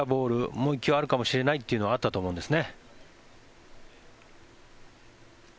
もう１球あるかもしれないというのがあったかもしれませんね。